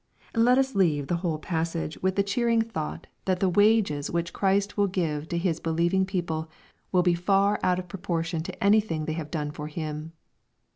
Let us leave the whole passage with the cheering LUKEj CHAP. XXII. 407 thought that the wages which Christ will give to his be lieving people will be far out of proportion to anything they have done for Him.